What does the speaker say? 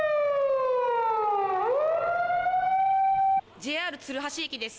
ＪＲ鶴橋駅です。